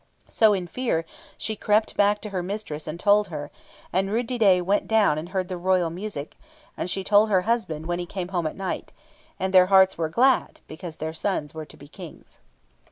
So in fear she crept back to her mistress and told her, and Rud didet went down and heard the royal music, and she told her husband when he came home at night, and their hearts were glad because their sons were to be Kings.